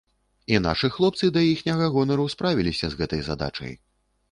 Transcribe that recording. І нашы хлопцы да іхняга гонару справіліся з гэтай задачай.